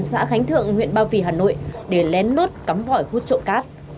xã khánh thượng huyện ba vì hà nội để lén lốt cắm vỏi hút trộn cát